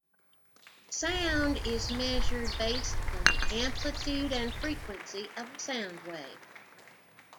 Sound is measured based on the amplitude and frequency of a sound wave.